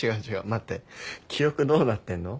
待って記憶どうなってんの？